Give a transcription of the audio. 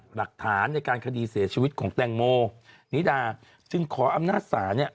หลักฐานในการคดีเสียชีวิตของแตงโมนิดาจึงขออำนาจศาลเนี่ย